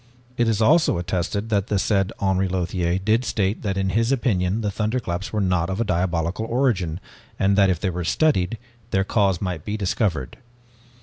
It is also attested that the said Henri Lothiere did state that in his opinion the thunderclaps were not of diabolical origin, and that if they were studied, their cause might be discovered.